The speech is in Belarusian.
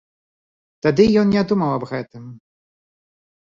Тады ён не думаў аб гэтым.